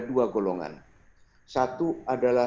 dua golongan satu adalah